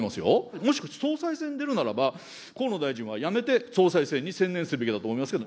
もし総裁選に出るならば、河野大臣は辞めて総裁選に専念すべきだと思いますけど。